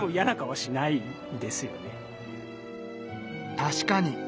確かに。